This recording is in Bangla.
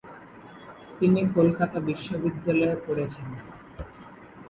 তিনি কলকাতা বিশ্ববিদ্যালয়ে পড়েছেন।